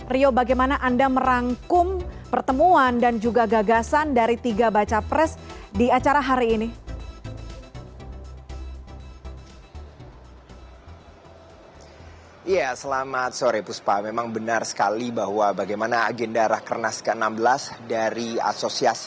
rio bagaimana anda merangkum pertemuan dan juga gagasan dari tiga baca pres di acara hari ini